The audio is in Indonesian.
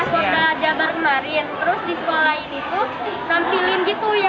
soalnya aja baru kemarin terus di sekolah ini tuh nampilin gitu ya